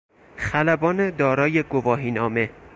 خلبان دارای گواهینامه